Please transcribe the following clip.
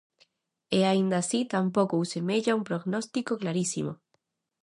E aínda así tampouco semella un prognóstico clarísimo.